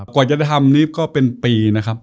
ก่อยจะทำนี่ก็เป็นปีนะครับ